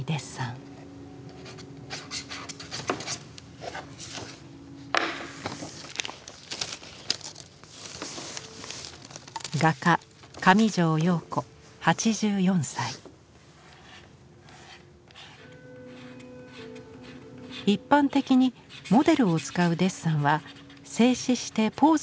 一般的にモデルを使うデッサンは静止してポーズをとってもらう。